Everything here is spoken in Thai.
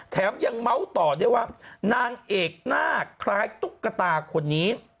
แถมยังเมาส์ต่อด้วยว่านางเอกหน้าคล้ายตุ๊กตาคนนี้